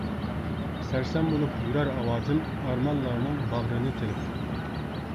سەرسان بولۇپ يۈرەر ئاۋازىم، ئارمانلارنىڭ باغرىنى تىلىپ.